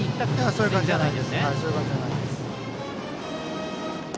そういう感じじゃないです。